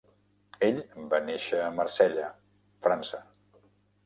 Ell va néixer a Marsella, França.